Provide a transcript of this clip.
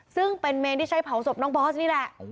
ซึ่งเป็นเมนที่ใช้เผาศพน้องบอสนี่แหละ